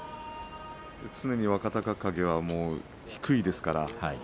常に若隆景は低いですから。